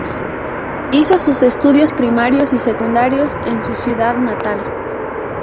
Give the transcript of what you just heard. Hizo sus estudios primarios y secundarios en sus ciudad natal.